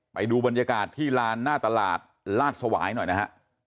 ไปดูบรรยากาศที่ลานหน้าตลาดลาดสวายหน่อยนะฮะ